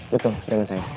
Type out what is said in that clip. betul dengan saya